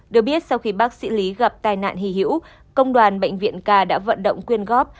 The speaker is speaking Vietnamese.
được biết sau khi bác sĩ lý gặp tai nạn hy hữu công đoàn bệnh viện k đã vận động quyên góp